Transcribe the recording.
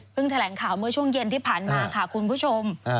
แถลงข่าวเมื่อช่วงเย็นที่ผ่านมาค่ะคุณผู้ชม